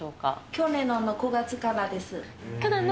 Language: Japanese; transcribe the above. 去年の６月からです。